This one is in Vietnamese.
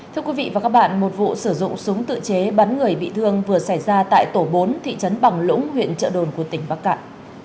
thưa quý vị và các bạn một vụ sử dụng súng tự chế bắn người bị thương vừa xảy ra tại tổ bốn thị trấn bằng lũng huyện trợ đồn của tỉnh bắc cạn